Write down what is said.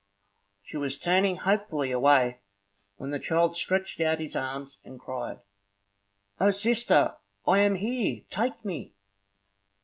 She was turning hopefully away, when the child stretched out his arms, and cried, "O sister, I am here! Take me!"